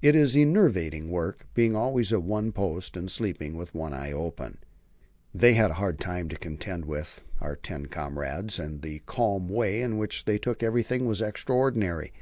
It is enervating work being always at one's post, and sleeping with one eye open. They had a hard time to contend with, our ten comrades, and the calm way in which they took everything was extraordinary.